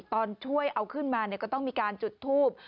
ตอนช่วยเอาขึ้นมาก็ต้องมีการจุดทูบ